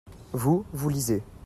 vous, vous lisez.